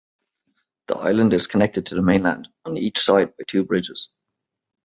The island is connected to the mainland on each side by two bridges.